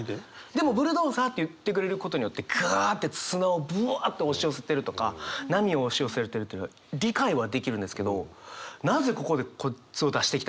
でもブルドーザーって言ってくれることによってガアって砂をブアって押し寄せてるとか波を押し寄せてるという理解はできるんですけどなぜここでこいつを出してきたのか。